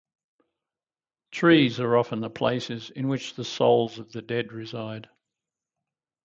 Trees are often the places in which the souls of the dead reside.